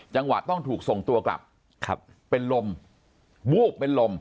จังหวะต้องถูกส่งตัวกลับเป็นลมวูบเป็นลม